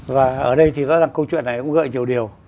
và ở đây thì rõ ràng câu chuyện này cũng gợi nhiều điều